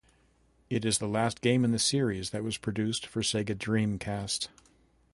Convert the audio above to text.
It is the last game in the series that was produced for Sega Dreamcast.